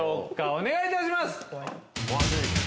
お願いいたします。